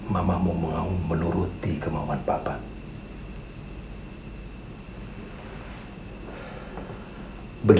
mama mau menganggung menuruti kemauan bapak